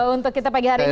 untuk kita pagi hari ini